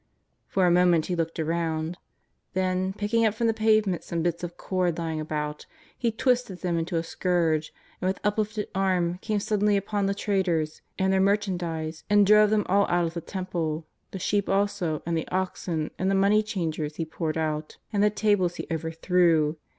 For a moment He looked around. Then, picking up from the pavement some bits of cord lying about. He twisted them into a scourge, and with uplifted arm came suddenly upon the traders and their merchandise, and drove them all out of the Temple, the sheep also and the oxen, and the money of the changers He poured out, and the tables He overthrew.